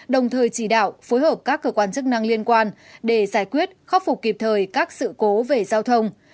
đồng thời chỉ đạo phối hợp các cơ quan chức năng liên quan để giải quyết khắc phục kịp thời các sự cố về giao thông